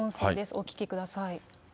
お聞きください。